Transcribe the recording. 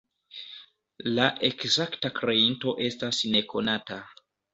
La ekzakta kreinto estas nekonata.